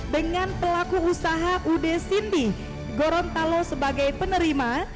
dengan pelaku usaha ud cindy gorontalo sebagai penerima